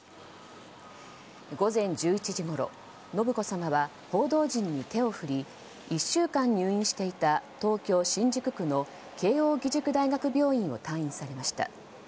午前１１時ごろ、信子さまは報道陣に手を振り１週間入院していた東京・新宿区の慶應義塾大学病院を退院されました。